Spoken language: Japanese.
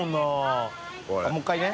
もう１回ね。